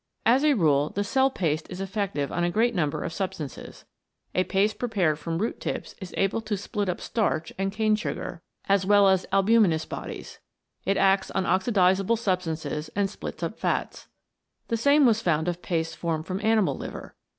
As a rule the cell paste is effective on a great number of substances. A paste prepared from root tips is able to split up starch and cane sugar, 99 CHEMICAL PHENOMENA IN LIFE as well as albuminous bodies ; it acts on oxidisable substances and splits up fats. The same was found of paste formed from animal liver.